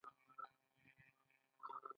سعودي عربستان او خلیجي ملکونه هم ورسره یوځای شول.